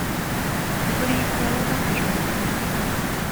Ur yi-ttarra d aqjun.